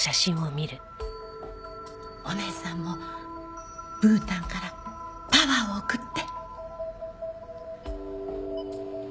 お姉さんもブータンからパワーを送って！